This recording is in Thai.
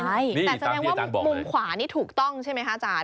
แต่แสดงว่ามุมขวานี่ถูกต้องใช่ไหมคะอาจารย